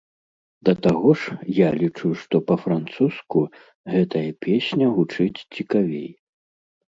Да таго ж, я лічу, што па-французску гэтая песня гучыць цікавей.